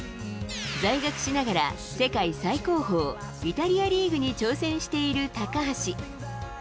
在学しながら世界最高峰イタリアリーグに挑戦している高橋。